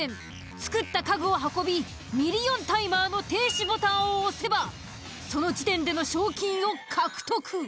作った家具を運びミリオンタイマーの停止ボタンを押せばその時点での賞金を獲得。